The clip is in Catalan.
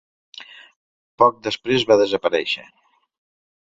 Poc després va desaparèixer.